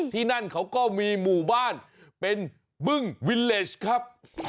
ที่นั่นเขาก็มีหมู่บ้านเป็นบึ้งวิลเลสครับ